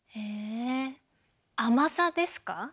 え甘さですか？